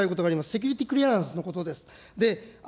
セキュリティ・クリアランスのことです。